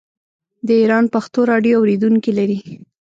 د ایران پښتو راډیو اوریدونکي لري.